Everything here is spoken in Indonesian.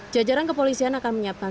jajaran kepolisian akan menyiapkan